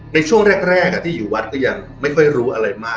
ในช่วงแรกที่อยู่วัดก็ยังไม่ค่อยรู้อะไรมาก